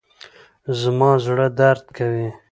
زما زړه درد کوي.